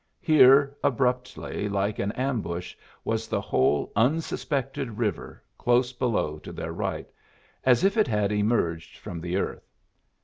Here, abruptly like an ambush, was the whole unsuspected river close below to their right, as if it had emerged from the earth.